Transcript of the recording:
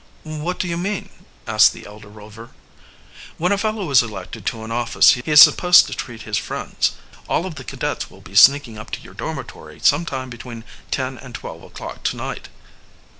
"What do you mean?" asked the elder Rover. "When a fellow is elected to an office he is supposed to treat his friends. All of the cadets will be sneaking up to your dormitory some time between ten and twelve o'clock tonight."